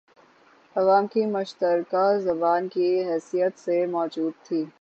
عوام کی مشترکہ زبان کی حیثیت سے موجود تھی